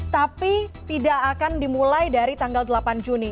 tapi tidak akan dimulai dari tanggal delapan juni